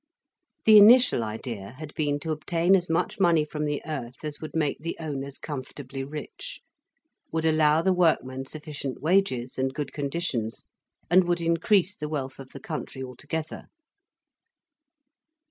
The initial idea had been, to obtain as much money from the earth as would make the owners comfortably rich, would allow the workmen sufficient wages and good conditions, and would increase the wealth of the country altogether.